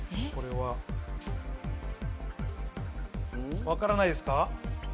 えっ？分からないですか？